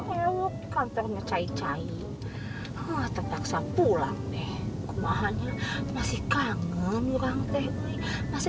ewek kantornya cai cai tetap pulang deh kemahannya masih kangen orang teh masih